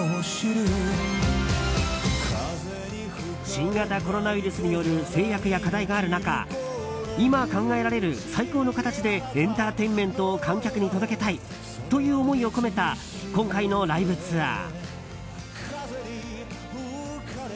新型コロナウイルスによる制約や課題がある中今考えられる最高の形でエンターテインメントを観客に届けたいという思いを込めた今回のライブツアー。